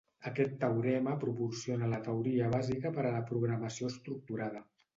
Aquest teorema proporciona la teoria bàsica per a la programació estructurada.